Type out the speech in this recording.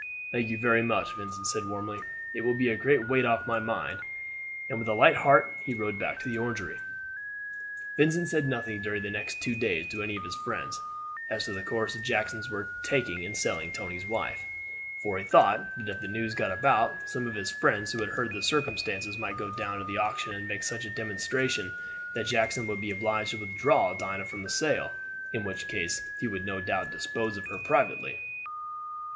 "Thank you very much," Vincent said warmly; "it will be a great weight off my mind," and with a light heart he rode back to the Orangery. Vincent said nothing during the next two days to any of his friends as to the course the Jacksons were taking in selling Tony's wife; for he thought that if the news got about, some of his friends who had heard the circumstances might go down to the auction and make such a demonstration that Jackson would be obliged to withdraw Dinah from the sale, in which case he would no doubt dispose of her privately.